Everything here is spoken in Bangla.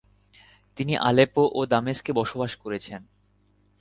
তিনি আলেপ্পো ও দামেস্কে বসবাস করেছেন।